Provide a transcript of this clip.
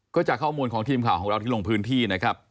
ก็จากข้อมูลของทีมข่าวของเราที่ลงพื้นที่นะครับ